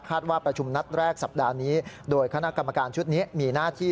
คาดว่าประชุมนัดแรกสัปดาห์นี้โดยคณะกรรมการชุดนี้